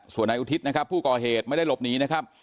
ส่วนนายอุทิศนะครับผู้ก่อเหตุไม่ได้หลบหนีนะครับ